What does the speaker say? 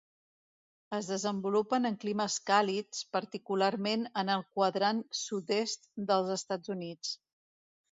Es desenvolupen en climes càlids, particularment en el quadrant sud-est dels Estats Units.